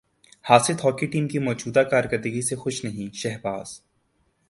حاسد hockey team کی موجودہ کارکردگی سے خوش نہیں شہباز